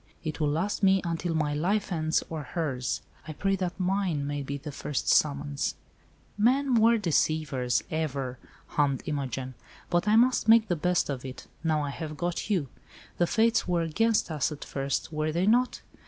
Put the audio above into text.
It will last me until my life ends or hers. I pray that mine may be the first summons." "Men were deceivers, ever," hummed Imogen. "But I must make the best of it, now I have got you. The Fates were against us at first, were they not?